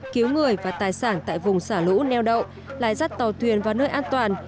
cứu người và tài sản tại vùng xả lũ neo đậu lái dắt tàu thuyền vào nơi an toàn